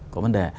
có vấn đề